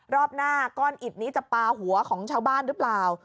รอบหน้าก้อนอิดนี้จะปลาหัวของชาวบ้านหรือเปล่า